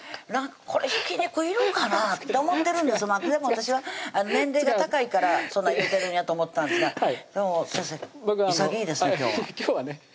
これひき肉いるかなぁって思ってるんですでも私は年齢が高いからそんなん言うてるんやと思ってたんですが先生潔いですね今日は今日はね